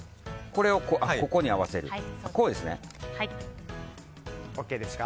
これをここに合わせると。